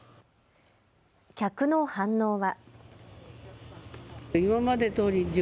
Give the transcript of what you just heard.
客の反応は。